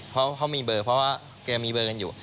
เพราะเขามีเบอร์เพราะว่าแกมีเบอร์กันอยู่